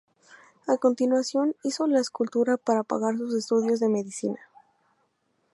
A continuación, hizo la escultura para pagar sus estudios de medicina.